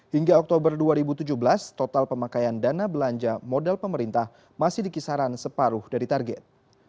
hingga oktober dua ribu tujuh belas total pemakaian dana belanja modal pemerintah masih di kisaran separuh dari target